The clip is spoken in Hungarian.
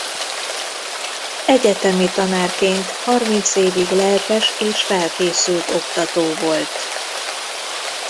Egyetemi tanárként harminc évig lelkes és felkészült oktató volt.